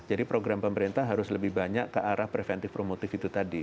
jadi program pemerintah harus lebih banyak ke arah preventif promotif itu tadi